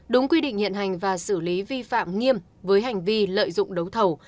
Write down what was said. đúng quy định hiện hành và xử lý vi phạm nghiêm với hành vi lợi dụng đấu thầu